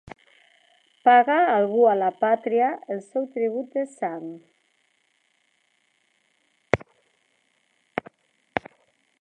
Pagar algú a la pàtria el seu tribut de sang.